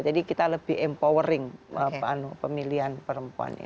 jadi kita lebih empowering pemilihan perempuan itu